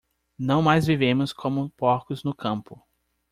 Não mais vivemos como porcos no campo.